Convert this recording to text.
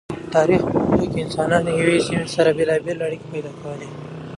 د تاریخ په اوږدو کی انسانانو د یوی سمی سره بیلابیلی اړیکی پیدا کولی